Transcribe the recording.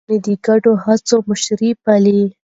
ښوونځی نجونې د ګډو هڅو مشري پالي.